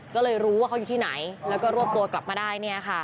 ก็เลยรู้ว่าเขาอยู่ที่ไหนแล้วก็รวบตัวกลับมาได้